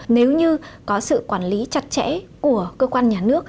nếu như có sự quản lý chặt chẽ của cơ quan nhà nước